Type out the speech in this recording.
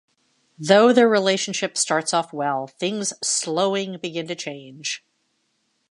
Though their relationship starts off well, things slowing begin to change.